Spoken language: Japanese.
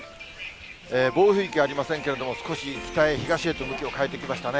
暴風域はありませんけれども、少し北へ、東へと向きを変えてきましたね。